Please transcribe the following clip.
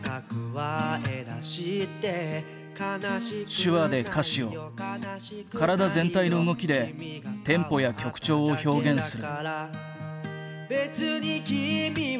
手話で歌詞を体全体の動きでテンポや曲調を表現する。